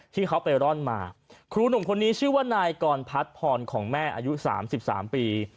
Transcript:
ที่เขาไปร่อนมาครูหนุ่มคนนี้ชื่อว่านายกรพัฒน์พรของแม่อายุ๓๓ปี